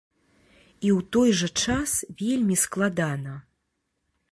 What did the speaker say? І ў той жа час вельмі складана.